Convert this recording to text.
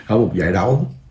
ở một giải đấu